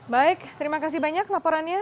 baik terima kasih banyak laporannya